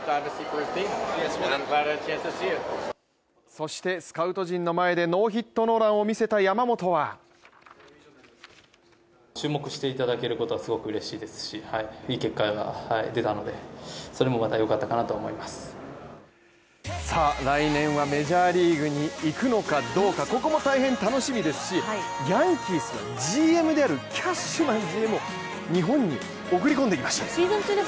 そして、スカウト陣の前でノーヒットノーランを見せた山本は来年はメジャーリーグに行くのかどうかここも大変楽しみですし、ヤンキースがＧＭであるキャッシュマンＧＭを日本に送り込んできました。